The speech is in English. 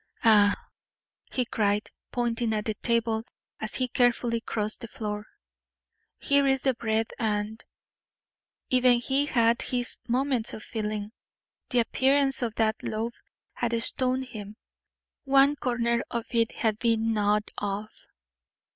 Ah!" he cried, pointing at the table, as he carefully crossed the floor. "Here is the bread, and " Even he had his moments of feeling. The appearance of that loaf had stunned him; one corner of it had been gnawed off.